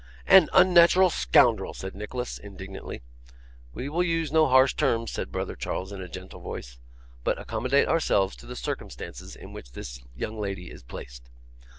'An unnatural scoundrel!' said Nicholas, indignantly. 'We will use no harsh terms,' said brother Charles, in a gentle voice; 'but accommodate ourselves to the circumstances in which this young lady is placed.